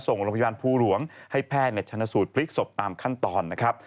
ส่งโรงพยาบาลภูหลวงให้แพทย์ชนสูตรพลิกศพตามขั้นตอนนะครับ